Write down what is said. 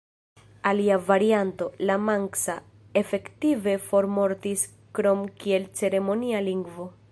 Alia varianto, la manksa, efektive formortis krom kiel ceremonia lingvo.